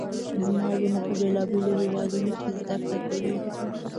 زما وروڼه په بیلابیلو هیوادونو کې زده کړه کوي